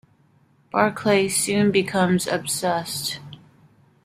Barclay soon becomes obsessed.